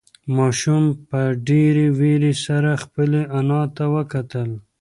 ماشوم په ډېرې وېرې سره خپلې انا ته وکتل.